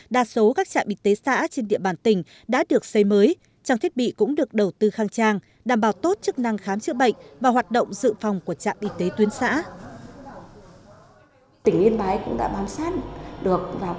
đa số các trạm y tế xã trên địa bàn tỉnh đã được xây mới trang thiết bị cũng được đầu tư khang trang đảm bảo tốt chức năng khám chữa bệnh và hoạt động dự phòng của trạm y tế tuyến xã